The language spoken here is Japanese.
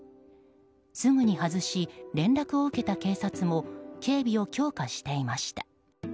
すぐに外し、連絡を受けた警察も警備を強化していました。